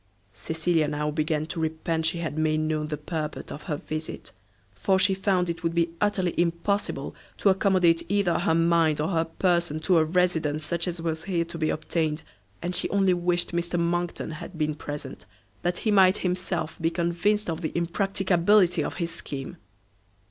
Cecilia now began to repent she had made known the purport of her visit, for she found it would be utterly impossible to accommodate either her mind or her person to a residence such as was here to be obtained and she only wished Mr Monckton had been present, that he might himself be convinced of the impracticability of his scheme.